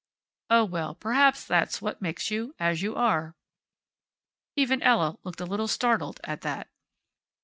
Oh, well, perhaps that's what makes you as you are." Even Ella looked a little startled at that.